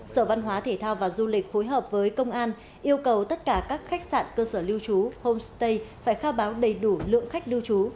sở văn hóa thể thao và du lịch phối hợp với công an yêu cầu tất cả các khách sạn cơ sở lưu trú homestay phải khai báo đầy đủ lượng khách lưu trú